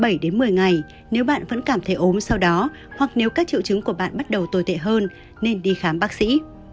cảm lạnh thường có thể mất bảy một mươi ngày nếu bạn vẫn cảm thấy ốm sau đó hoặc nếu các triệu chứng của bạn bắt đầu tồi tệ hơn nên đi khám bác sĩ